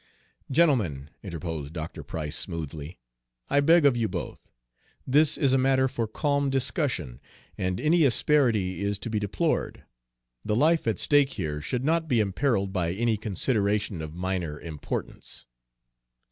"Gentlemen," interposed Dr. Price, smoothly, "I beg of you both this is a matter for calm discussion, and any asperity is to be deplored. The life at stake here should not be imperiled by any consideration of minor importance."